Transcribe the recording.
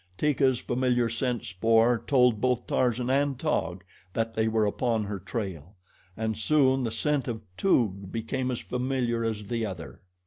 Teeka's familiar scent spoor told both Tarzan and Taug that they were upon her trail, and soon the scent of Toog became as familiar as the other.